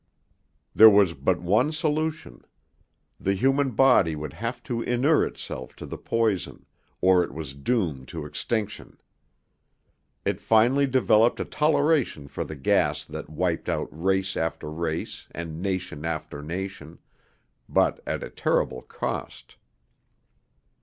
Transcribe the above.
There was but one solution. The human body would have to inure itself to the poison, or it was doomed to extinction. It finally developed a toleration for the gas that had wiped out race after race and nation after nation, but at a terrible cost.